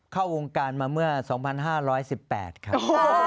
เข้าวงการมาเมื่อ๒๕๑๘ครับ